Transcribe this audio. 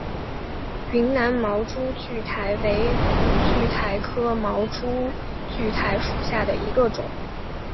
云南蛛毛苣苔为苦苣苔科蛛毛苣苔属下的一个种。